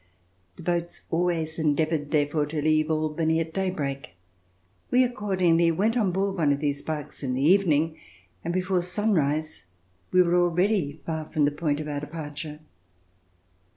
The boats always en deavored therefore to leave Albany at daybreak. We accordingly went on board one of these barks in the evening, and before sunrise we were already far from the point of our departure.